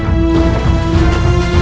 baik ayah anda